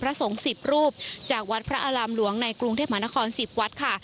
พระสงฆ์สิบรูปจากวัดพระอลัมหลวงในกรุงเทพมหานครสิบวัดค่ะ